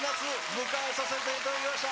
迎えさせていただきました。